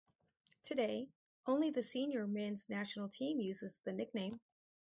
Today, only the senior men's national team uses the nickname.